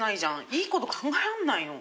いいこと考えられないの？